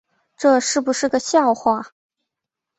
这是不是个笑话